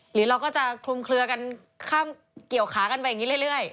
หรือเราก็จะคลุมเคลือกันข้ามเกี่ยวขากันไปอย่างนี้เรื่อย